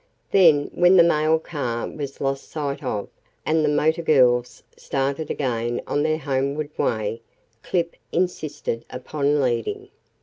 Then, when the mail car was lost sight of, and the motor girls started again on their homeward way, Clip insisted upon leading.